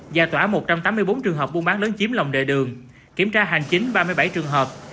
giải tỏa một trăm tám mươi bốn trường hợp buôn bán lớn chiếm lòng đệ đường kiểm tra hành chính ba mươi bảy trường hợp